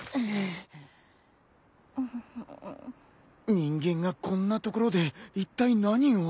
人間がこんなところでいったい何を？